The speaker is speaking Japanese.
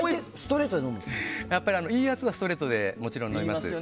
いいやつはストレートでもちろん飲みます。